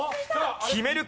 決めるか？